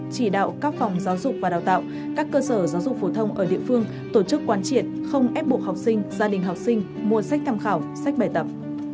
chỉ đạo các phòng giáo dục và đào tạo các cơ sở giáo dục phổ thông ở địa phương tổ chức quan triệt không ép buộc học sinh gia đình học sinh mua sách tham khảo sách bài tập